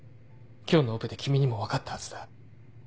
今日のオペで君にも分かったはずだ。